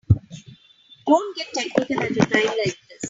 Don't get technical at a time like this.